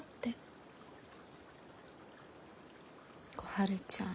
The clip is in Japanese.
小春ちゃん。